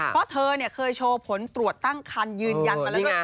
เพราะเธอเคยโชว์ผลตรวจตั้งคันยืนยันมาแล้วด้วย